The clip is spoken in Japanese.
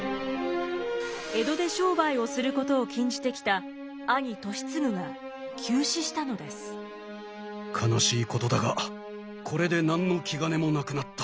江戸で商売をすることを禁じてきた悲しいことだがこれで何の気兼ねもなくなった。